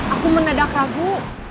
aku menedak ragu